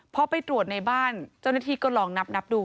พอไปตรวจในบ้านเจ้าหน้าที่ก็ลองนับดู